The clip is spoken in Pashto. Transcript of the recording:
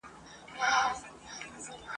چي د غرونو په لمن کي ښکار ته ساز وو !.